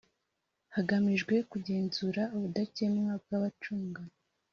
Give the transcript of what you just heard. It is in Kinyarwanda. Hagamijwe kugenzura ubudakemwa bw abacunga